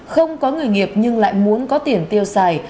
không có người nghiệp nhưng lại muốn có tiền tiêu xài